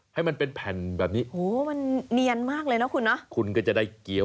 ให้มันเป็นแผ่นแบบนี้